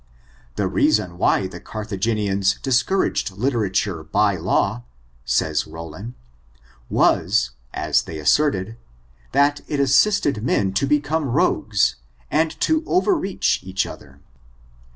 The reason why the Carthagenians discouraged liter ature by lawy says Rollin, was, as they asserted, that it assisted men to become rogues, and to overreach each other.